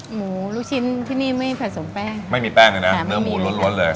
หมูรุ้วชิ้นที่นี่ไม่ผสมแป้งไม่มีแป้งแหละนะเนื้อหมูรวดเลยใช่ค่ะ